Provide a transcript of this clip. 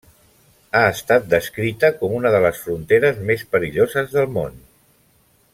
Ha estat descrita com una de les fronteres més perilloses del món.